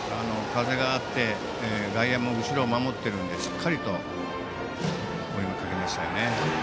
風があって外野も後ろを守っているのでしっかりと声をかけましたよね。